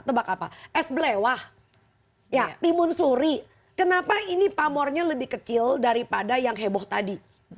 tebak apa es belewah ya timun suri kenapa ini pamornya lebih kecil daripada yang heboh tadi